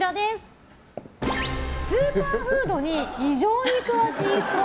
スーパーフードに異常に詳しいっぽい。